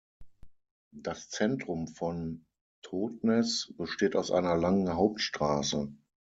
Das Zentrum von Totnes besteht aus einer langen Hauptstraße.